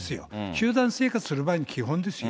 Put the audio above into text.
集団生活するための基本ですよ。